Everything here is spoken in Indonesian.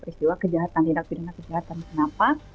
peristiwa kejahatan tindakan kejahatan kenapa